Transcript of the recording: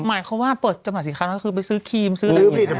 หมายความว่าเปิดจำหน่ายสินค้าเท่านั้นคือไปซื้อครีมซื้ออย่างนี้